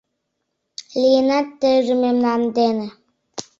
Лийынат тыйже мемнан дене.